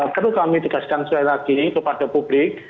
perlu kami tegaskan sekali lagi kepada publik